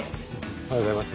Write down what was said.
おはようございます。